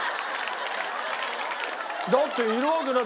だっているわけない。